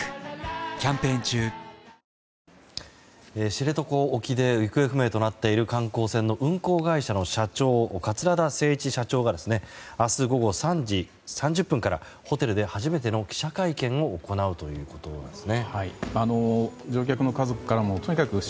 知床沖で行方不明となっている観光船の運航会社の社長桂田精一社長が明日午後３時３０分からホテルで初めての記者会見を行うということです。